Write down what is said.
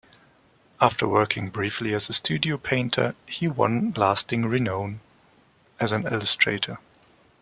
After working briefly as a studio painter, he won lasting renown as an illustrator.